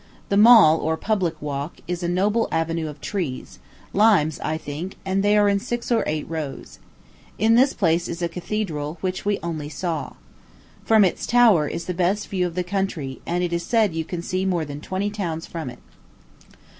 The Mall, or public walk, is a noble avenue of trees, limes, I think, and they are in six or eight rows. In this place is a cathedral, which we only saw. From its tower is the best view of the country; and it is said you can see more than twenty towns from it.